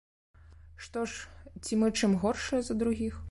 Што ж, ці мы чым горшыя за другіх?